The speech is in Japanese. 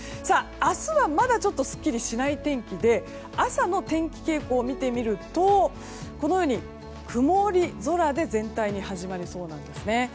明日はまだちょっとすっきりしない天気で朝の天気傾向を見てみるとこのように曇り空で全体に始まりそうなんです。